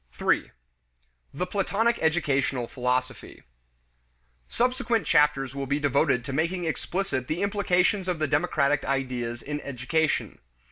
3. The Platonic Educational Philosophy. Subsequent chapters will be devoted to making explicit the implications of the democratic ideas in education.